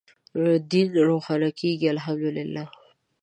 دین روښانه کېږي الحمد لله.